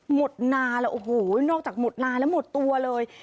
หมดนาแล้วโอ้โหนอกจากหมดนาแล้วหมดตัวเลย